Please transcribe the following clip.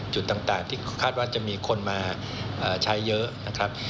จุดต่างที่คาดว่าจะมีคนมาใช้เยอะนะครับ